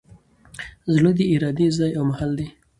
زړه د ارادې ځای او محل دﺉ.